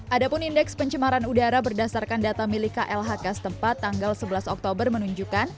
adapun indeks pencemaran udara berdasarkan data milik klhk setempat tanggal sebelas oktober menunjukkan